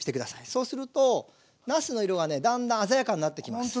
そうするとなすの色がねだんだん鮮やかになってきます。